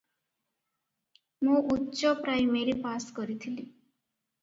ମୁଁ ଉଚ୍ଚପ୍ରାଇମେରି ପାଶ୍ କରିଥିଲି ।"